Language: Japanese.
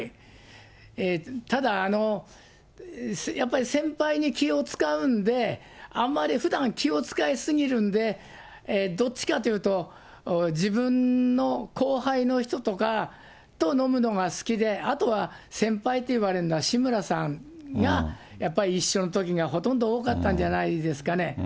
ただ、やっぱり先輩に気を遣うんで、あんまりふだん、気を遣いすぎるんで、どっちかというと、自分の後輩の人とかと飲むのが好きで、あとは先輩といわれるのは、志村さんがやっぱり一緒のときがほとんど多かったんじゃないです